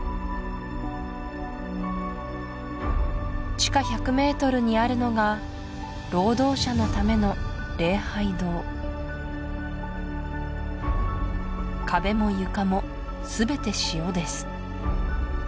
地下１００ｍにあるのが労働者のための礼拝堂壁も床もすべて塩です